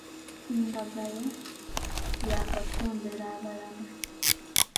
Kimbagaya yakasombera abalama.